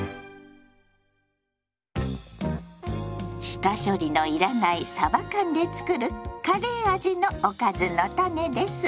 下処理の要らない「さば缶」で作るカレー味のおかずのタネです。